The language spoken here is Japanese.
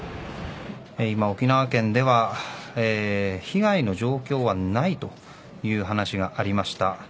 今、沖縄県では被害の状況はないという話がありました。